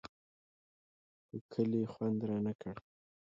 خو کلي خوند رانه کړ.